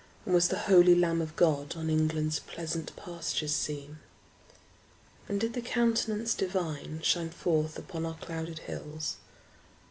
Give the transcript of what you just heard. And was the holy Lamb of God On England's pleasant pastures seen? And did the Countenance Divine Shine forth upon our clouded hills?